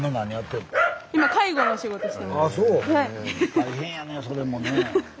大変やねえそれもね。